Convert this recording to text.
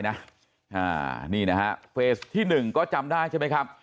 นี่นะฮะเฟสที่๑ก็จำได้ใช่ไหมครับ